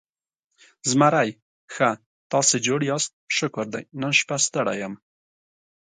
زمری: ښه، تاسې جوړ یاست؟ شکر دی، نن شپه ستړی یم.